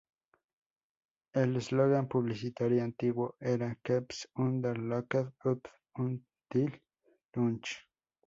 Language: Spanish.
El slogan publicitario antiguo era: "Keeps hunger locked up until lunch".